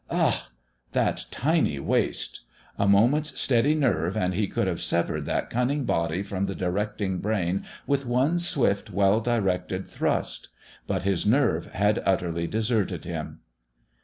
Ugh! That tiny waist! A moment's steady nerve and he could have severed that cunning body from the directing brain with one swift, well directed thrust. But his nerve had utterly deserted him.